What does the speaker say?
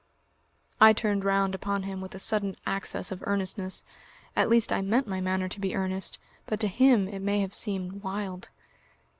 I turned round upon him with a sudden access of earnestness. At least I meant my manner to be earnest, but to him it may have seemed wild.